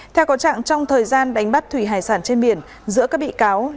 theo có trạng trong thời gian đánh bắt thủy hải sản trên biển giữa các bị cáo